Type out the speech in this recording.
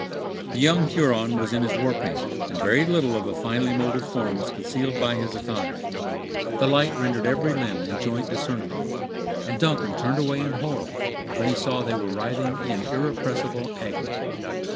The young Huron was in his war paint, and very little of a finely molded form was concealed by his attire. The light rendered every limb and joint discernible, and Duncan turned away in horror when he saw they were writhing in irrepressible agony.